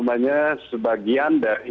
kita masih berpikir pikir